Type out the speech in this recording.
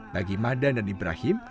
bagi madan dan ibrahim